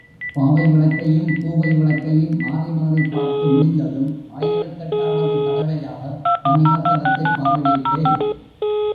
பாவை விளக்கையும் பூவை விளக்கையும் மாறி மாறிப் பார்த்து முடிந்ததும், ஆயிரத்தெட்டாவது தடவையாக தணிகாசலத்தைப் பார்வையிட்டேன்.